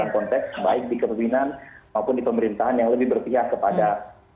dalam konteks baik di kepemimpinan maupun di pemerintahan yang lebih berpihak kepada